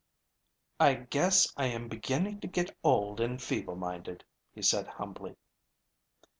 "I guess I am beginning to get old and feeble minded," he said humbly.